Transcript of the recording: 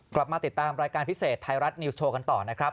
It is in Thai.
กลับมาติดตามรายการพิเศษไทยรัฐนิวส์โชว์กันต่อนะครับ